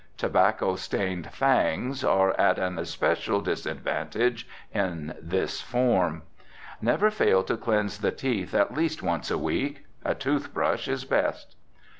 Tobacco stained fangs are at an especial disadvantage in this form. Never fail to cleanse the teeth at least once a week. A tooth brush is best.